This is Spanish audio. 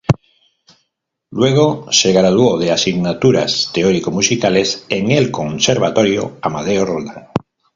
Luego se graduó de Asignaturas teórico musicales en el conservatorio Amadeo Roldán.